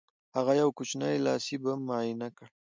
هغه یو کوچنی لاسي بم معاینه کړ